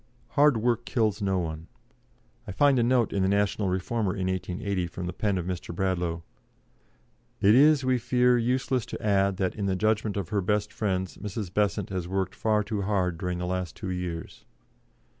Hard work kills no one. I find a note in the National Reformer in 1880 from the pen of Mr. Bradlaugh: "It is, we fear, useless to add that, in the judgment of her best friends, Mrs. Besant has worked far too hard during the last two years."